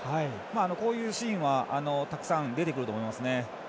こういうシーンはたくさん出てくると思いますね。